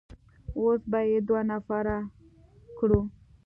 اوس به يې دوه نفره کړو.